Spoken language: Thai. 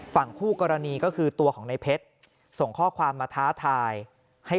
ฝั่งคู่กรณีก็คือตัวของในเพชรส่งข้อความมาท้าทายให้